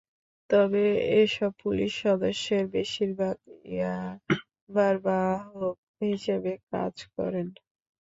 তবে এসব পুলিশ সদস্যের বেশির ভাগ ইয়াবার বাহক হিসেবে কাজ করেন।